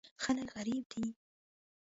خلک غریب دي.